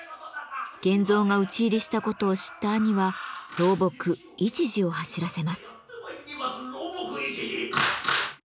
源蔵が討ち入りしたことを知った兄は老僕市治を走らせます。